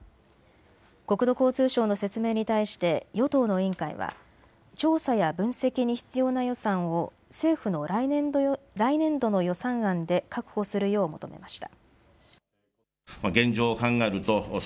国土交通省の説明に対して与党の委員会は調査や分析に必要な予算を政府の来年度の予算案で確保するよう求めました。